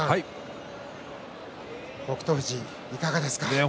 北勝富士、いかがですか？